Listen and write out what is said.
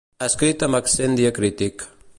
Escrit amb accent diacrític.